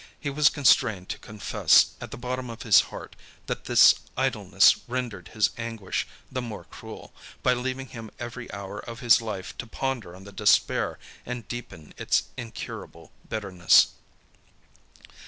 He was constrained to confess, at the bottom of his heart, that this idleness rendered his anguish the more cruel, by leaving him every hour of his life to ponder on the despair and deepen its incurable bitterness.